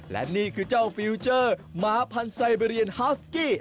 และนี่คือเจ้าฟิลเจอร์หมาพันธ์ไซเบรียนฮาสกี้